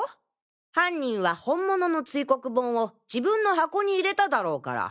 犯人は本物の堆黒盆を自分の箱に入れただろうから。